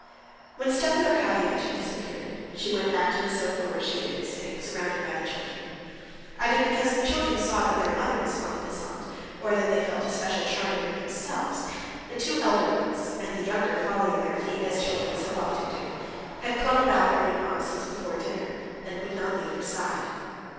When Stepan Arkadyevitch had disappeared, she went back to the sofa where she had been sitting, surrounded by the children. Either because the children saw that their mother was fond of this aunt, or that they felt a special charm in her themselves, the two elder ones, and the younger following their lead, as children so often do, had clung about their new aunt since before dinner, and would not leave her side.